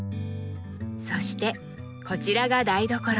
そしてこちらが台所。